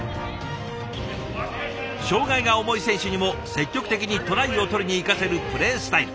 障害が重い選手にも積極的にトライを取りに行かせるプレースタイル。